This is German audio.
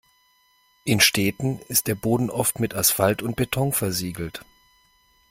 In Städten ist der Boden oft mit Asphalt und Beton versiegelt.